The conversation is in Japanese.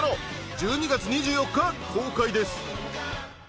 １２月２４日公開です。